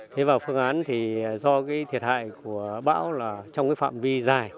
thế và phương án thì do cái thiệt hại của bão là trong cái phạm vi dài